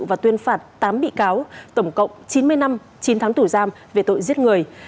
và tuyên phạt tám bị cáo tổng cộng chín mươi năm chín tháng tù giam về tội giết người